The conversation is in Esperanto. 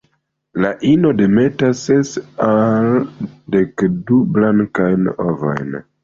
La ino demetas ses al dekdu blankajn ovojn.